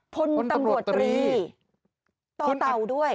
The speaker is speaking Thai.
พลตำรวจตรีต่อเต่าด้วย